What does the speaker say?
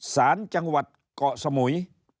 สารจังหวัดเกาะสมุย